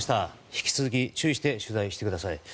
引き続き注意して取材してください。